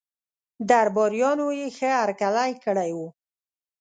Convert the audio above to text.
درباریانو یې ښه هرکلی کړی وو.